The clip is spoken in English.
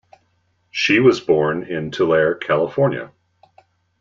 She was born in Tulare, California.